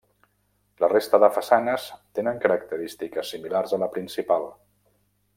La resta de façanes tenen característiques similars a la principal.